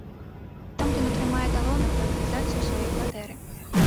Там ён атрымае талон на прыватызацыю сваёй кватэры.